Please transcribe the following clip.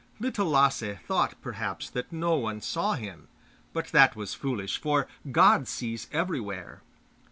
Little Lasse thought, perhaps, that no one saw him; but that was foolish, for God sees everywhere.